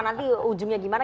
nanti ujungnya gimana